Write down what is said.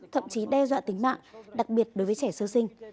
thậm chí đe dọa tính mạng đặc biệt đối với trẻ sơ sinh